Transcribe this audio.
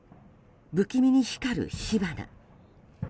不気味に光る火花。